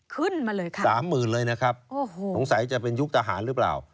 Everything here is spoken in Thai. ขึ้นมาเลยค่ะ๓๐๐๐๐เลยนะครับสงสัยจะเป็นยุคต่อหารหรือเปล่า